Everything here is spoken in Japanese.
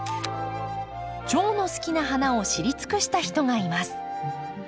チョウの好きな花を知り尽くした人がいます。